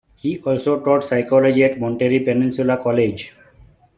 He also taught psychology at Monterey Peninsula College.